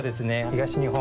東日本